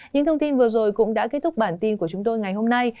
những thông tin vừa rồi cũng đã kết thúc bản tin của chúng tôi ngày hôm nay